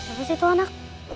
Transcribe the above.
apa sih itu anak